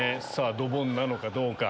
ドボンなのかどうか。